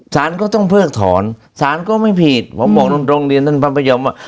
สารก็ต้องเพิกถอนสารก็ไม่ผิดผมบอกตรงตรงเรียนท่านพระพยอมว่า